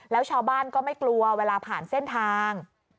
แล้วชาวบ้านก็ไม่กลัวเวลาผ่านเส้นทาง